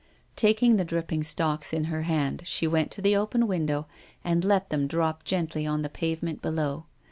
Taking the dripping stalks in her hand she went to the open window, and let them drop gently on the pavement below.